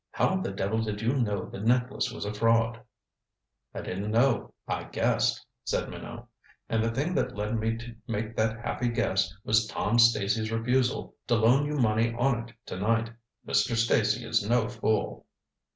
How the devil did you know the necklace was a fraud?" "I didn't know I guessed," said Minot. "And the thing that led me to make that happy guess was Tom Stacy's refusal to loan you money on it to night. Mr. Stacy is no fool."